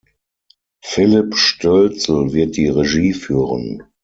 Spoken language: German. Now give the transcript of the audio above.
Philipp Stölzl wird die Regie führen.